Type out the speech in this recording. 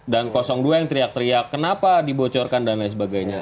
dan dua yang teriak teriak kenapa dibocorkan dan lain sebagainya